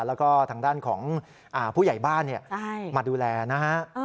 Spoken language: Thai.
แล้วก็ทางด้านของผู้ใหญ่บ้านมาดูแลนะฮะ